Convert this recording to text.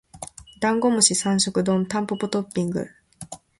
ダンゴムシ三食丼タンポポトッピング